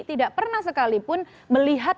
tidak pernah sekalipun melihat